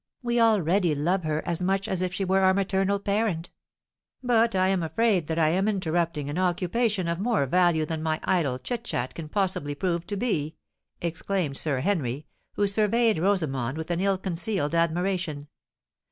we already love her as much as if she were our maternal parent!" "But I am afraid that I am interrupting an occupation of more value than my idle chit chat can possibly prove to be?" exclaimed Sir Henry, who surveyed Rosamond with an ill concealed admiration.